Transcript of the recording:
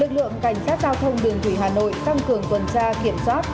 lực lượng cảnh sát giao thông đường thủy hà nội tăng cường tuần tra kiểm soát